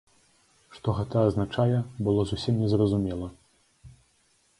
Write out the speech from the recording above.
Што гэта азначае, было зусім незразумела.